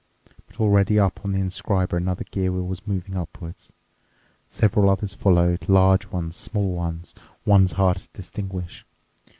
But already up on the inscriber another gear wheel was moving upwards. Several others followed—large ones, small ones, ones hard to distinguish.